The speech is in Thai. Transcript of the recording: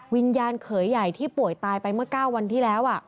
วิญญาณเขยใหญ่ที่ป่วยตายไปเมื่อ๙วันที่แล้ว